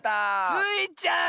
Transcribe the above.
スイちゃん！